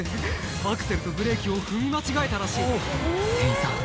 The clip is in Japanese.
アクセルとブレーキを踏み間違えたらしい店員さん